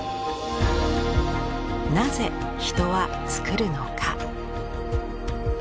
なぜ人は作るのか？